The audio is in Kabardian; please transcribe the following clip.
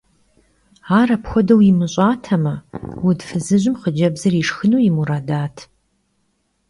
Ar apxuedeu yimış'ateme, vud fızıjım xhıcebzır yişşxınu yi muradat.